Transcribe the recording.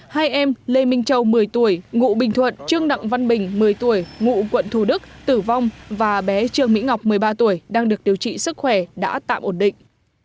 hai em lê minh châu một mươi tuổi ngụ bình thuận trương đặng văn bình một mươi tuổi ngụ quận thù đức tử vong và bé trương mỹ ngọc một mươi ba tuổi đang được điều trị sức khỏe đã tạm ổn định